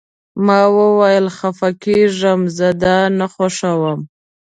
ما وویل: خفه کیږم، زه دا نه خوښوم.